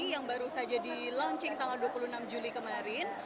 yang baru saja di launching tanggal dua puluh enam juli kemarin